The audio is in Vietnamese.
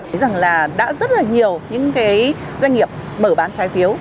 thấy rằng là đã rất là nhiều những cái doanh nghiệp mở bán trái phiếu